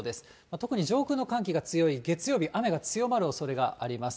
特に上空の寒気が強い月曜日、雨が強まるおそれがあります。